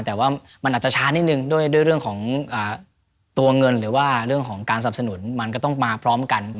แต่ว่ามันอาจจะช้านิดนึงด้วยเรื่องของตัวเงินหรือว่าเรื่องของการสับสนุนมันก็ต้องมาพร้อมกัน